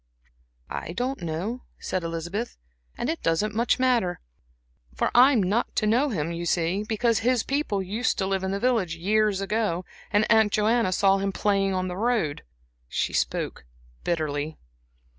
"I don't know," said Elizabeth, "and it doesn't much matter. I am not to know him, you see, because his people used to live in the village years ago, and Aunt Joanna saw him playing on the road." She spoke bitterly.